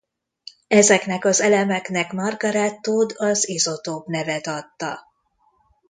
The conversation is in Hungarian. Ezeknek az elemeknek Margaret Todd az izotóp nevet adta.